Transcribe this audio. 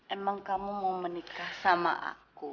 emang kamu mau menikah sama aku